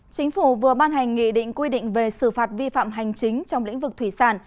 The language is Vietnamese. chính phủ vừa ban hành nghị định quy định về xử phạt vi phạm hành chính trong lĩnh vực thủy sản